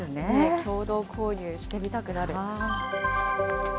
共同購入してみたくなる。